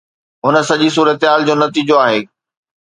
هن سڄي صورتحال جو نتيجو آهي.